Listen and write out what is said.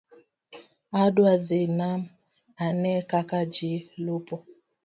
Adwa dhi nam ane kaka ji lupo